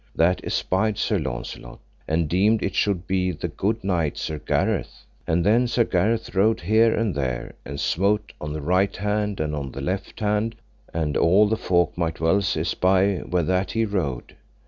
That espied Sir Launcelot, and deemed it should be the good knight Sir Gareth: and then Sir Gareth rode here and there, and smote on the right hand and on the left hand, and all the folk might well espy where that he rode.